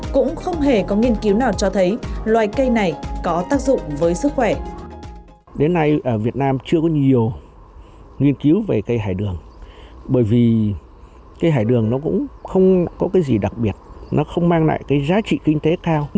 cũng không hề có nghiên cứu nào cho thấy loài cây này có tác dụng với sức khỏe